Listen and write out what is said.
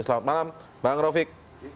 selamat malam bang rofik